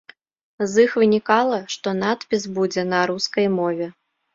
З іх вынікала, што надпіс будзе на рускай мове.